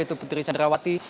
itu putri richard rawati